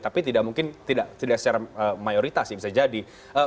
tapi tidak mungkin tidak secara mayoritas ya bisa jadi